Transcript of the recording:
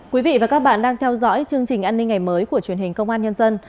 quý vị và các bạn đang theo dõi chương trình an ninh ngày mới của truyền hình công an nhân dân